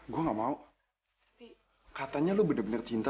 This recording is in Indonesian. gue gak mau jadi pacar lo